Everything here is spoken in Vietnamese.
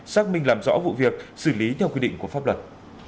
xác minh làm rõ vụ việc xử lý theo quy định của pháp luật